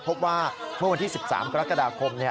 พบว่าเมื่อวันที่๑๓กรกฎาคม